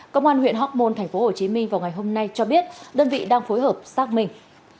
công an huyện hóc môn tp hcm vào ngày hôm nay cho biết đơn vị đang phối hợp xác minh